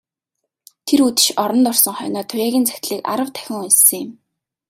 Тэр үдэш оронд орсон хойноо Туяагийн захидлыг арав дахин уншсан юм.